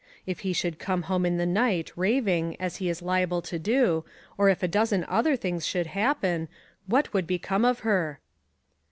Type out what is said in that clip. If he should come home in the night, raving, as he is liable to do, or if a dozen other things should happen, what would become of her?